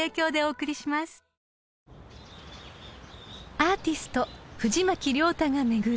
［アーティスト藤巻亮太が巡る